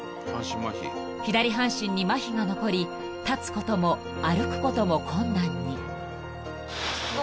［左半身にまひが残り立つことも歩くことも困難に］